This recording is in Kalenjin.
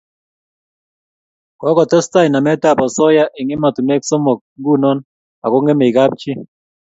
Kokotestai namet ab asoya eng' emetanwek somok nguno ako ngemei kapchii